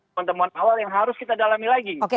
ketemuan awal yang harus kita dalami lagi